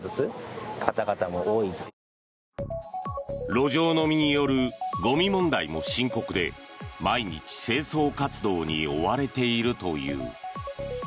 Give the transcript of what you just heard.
路上飲みによるゴミ問題も深刻で毎日、清掃活動に追われているという。